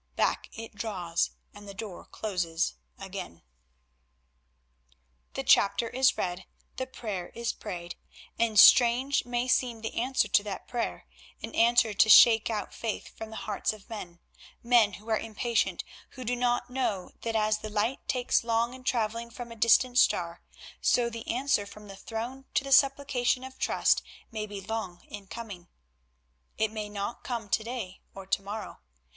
Back it draws, and the door closes again. The chapter is read, the prayer is prayed, and strange may seem the answer to that prayer, an answer to shake out faith from the hearts of men; men who are impatient, who do not know that as the light takes long in travelling from a distant star, so the answer from the Throne to the supplication of trust may be long in coming. It may not come to day or to morrow.